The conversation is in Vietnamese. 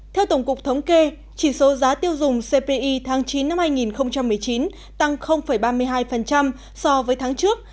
theo tổng cục thống kê chỉ số giá tiêu dùng cpi tháng chín năm hai nghìn một mươi chín tăng ba mươi hai so với tháng trước